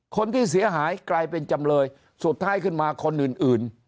คนที่เสียหายกลายเป็นจำเลยสุดท้ายขึ้นมาคนอื่นอื่น